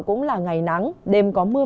cũng là ngày nắng đêm có mưa